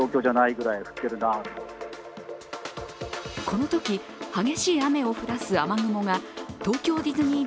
このとき激しい雨を降らす雨雲が東京ディズニー